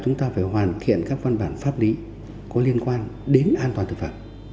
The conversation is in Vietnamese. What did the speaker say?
chúng ta phải hoàn thiện các văn bản pháp lý có liên quan đến an toàn thực phẩm